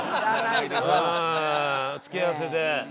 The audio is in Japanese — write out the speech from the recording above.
うん付け合わせで。